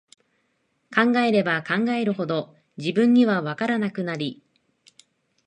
考えれば考えるほど、自分には、わからなくなり、